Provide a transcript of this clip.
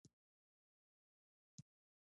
میکا د خپل ایمان او اخلاص توازن ساتي.